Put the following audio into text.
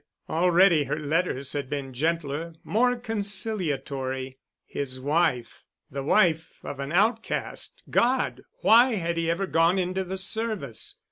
Already her letters had been gentler—more conciliatory. His wife—the wife of an outcast! God! Why had he ever gone into the service?